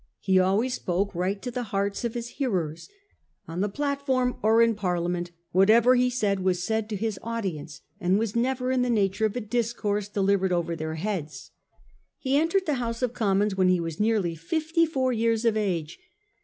He always spoke right to the hearts of his hearers. On the platform or in Parliament, whatever he said was said to his audience, and was never in the nature of a discourse delivered over their heads. He entered the House of Commons when he was nearly fifty four years of age.